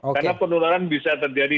karena penularan bisa terjadi